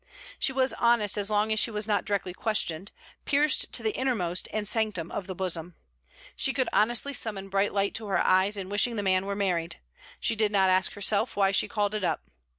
She was honest as long as she was not directly questioned, pierced to the innermost and sanctum of the bosom. She could honestly summon bright light to her eyes in wishing the man were married. She did not ask herself why she called it up.